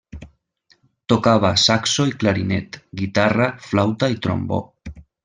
Tocava saxo i clarinet, guitarra, flauta i trombó.